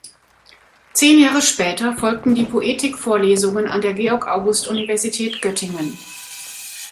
Zehn Jahre später folgten die Poetikvorlesungen an der Georg-August-Universität Göttingen.